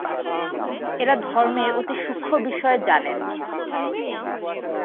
এরা ধর্মের অতি সূক্ষ্ম বিষয় জানেন।